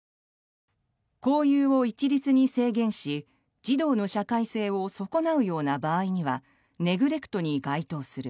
交友を一律に制限し児童の社会性を損なうような場合にはネグレクトに該当する。